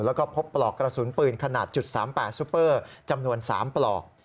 แล้วก็พบปลอกกระสุนปืนขนาด๓๘ซุปเปอร์จำนวน๓ปลอก